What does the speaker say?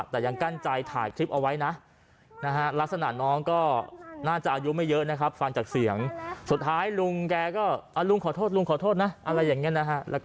ตรงนี้ป่ะตรงนี้ป่ะไม่เป็นไรลุงขอโทษนะ